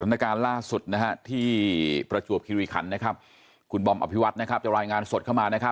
ฐนการณ์ล่าสุดที่ประจวบคิริคันคุณบอมอภิวัตรจะรายงานสดเข้ามา